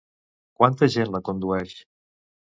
Quanta gent la condueix?